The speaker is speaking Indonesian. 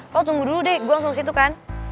lo tunggu dulu deh gue langsung ke situ kan